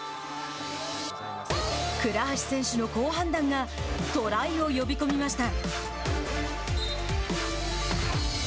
倉橋選手の好判断がトライを呼び込みました。